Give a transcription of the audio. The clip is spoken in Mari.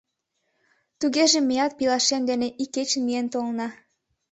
— Тугеже меат пелашем дене ик кечын миен толына.